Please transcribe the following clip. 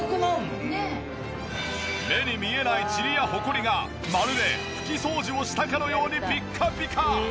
目に見えない塵やホコリがまるで拭き掃除をしたかのようにピッカピカ！